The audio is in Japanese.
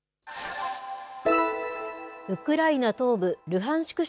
ウクライナ東部ルハンシク